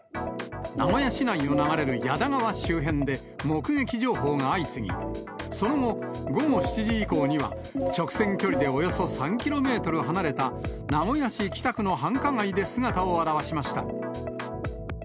名古屋市内を流れる矢田川周辺で目撃情報が相次ぎ、その後、午後７時以降には直線距離でおよそ３キロメートル離れた名古屋市北区の繁華街で姿を現しました。